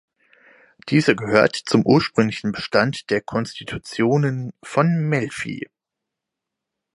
Diese gehört zum ursprünglichen Bestand der Konstitutionen von Melfi.